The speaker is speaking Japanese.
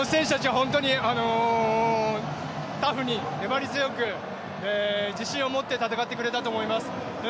本当にタフに粘り強く自信を持って戦ってくれたと思います。